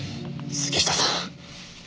杉下さん。